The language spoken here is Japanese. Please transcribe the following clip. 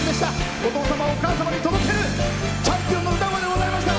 お父様お母様に届けるチャンピオンの歌声でした。